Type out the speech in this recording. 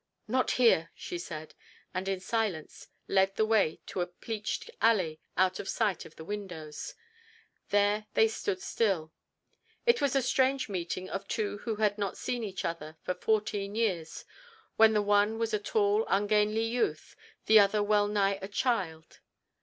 "Not here," she said, and in silence led the way to a pleached alley out of sight of the windows. There they stood still. It was a strange meeting of two who had not seen each other for fourteen years, when the one was a tall, ungainly youth, the other well nigh a child.